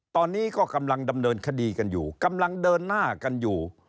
ตอนนี้ก็กำลังดำเนินคดีกันอยู่